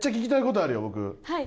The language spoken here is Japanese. はい。